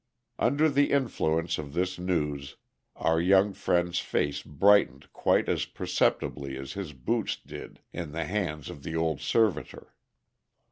Under the influence of this news our young friend's face brightened quite as perceptibly as his boots did in the hands of the old servitor.